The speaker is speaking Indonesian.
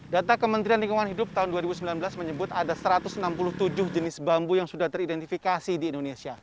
data kementerian lingkungan hidup tahun dua ribu sembilan belas menyebut ada satu ratus enam puluh tujuh jenis bambu yang sudah teridentifikasi di indonesia